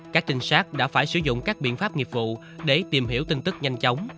các trinh sát đã phải sử dụng các biện pháp nghiệp vụ để tìm hiểu tin tức nhanh chóng